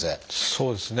そうですね。